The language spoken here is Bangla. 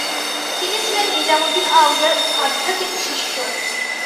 তিনি ছিলেন নিজামুদ্দিন আউলিয়ার আধ্যাত্মিক শিষ্য।